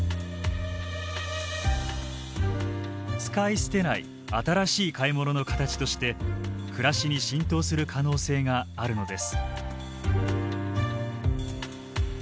使い捨てない新しい買い物の形として暮らしに浸透する可能性があるのです。